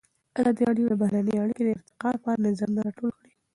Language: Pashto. ازادي راډیو د بهرنۍ اړیکې د ارتقا لپاره نظرونه راټول کړي.